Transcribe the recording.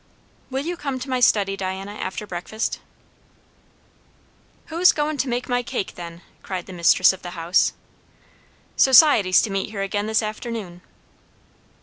"Will you come to my study, Diana, after breakfast?" "Who's goin' to make my cake, then?" cried the mistress of the house. "Society's to meet here again this afternoon."